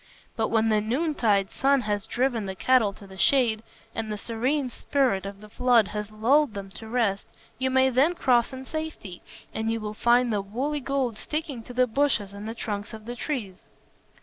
But when the noontide sun has driven the cattle to the shade, and the serene spirit of the flood has lulled them to rest, you may then cross in safety, and you will find the woolly gold sticking to the bushes and the trunks of the trees."